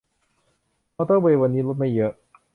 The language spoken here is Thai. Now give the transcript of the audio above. มอเตอร์เวย์วันนี้รถไม่เยอะ